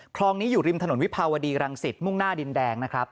คลองนี้อยู่ริมถนนวิภาวดีรังสิตมุ่งหน้าดินแดงนะครับ